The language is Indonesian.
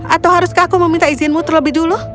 atau haruskah aku meminta izinmu terlebih dulu